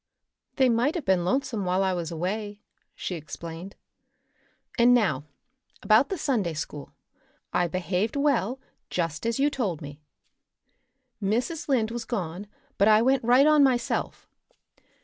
"They might have been lonesome while I was away," she explained. "And now about the Sunday school. I behaved well, just as you told me. Mrs. Lynde was gone, but I went right on myself.